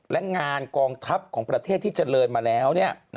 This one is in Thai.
และงานกองทัพของประเทศที่เจริญมาแล้ว